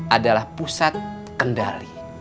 adalah pusat kendali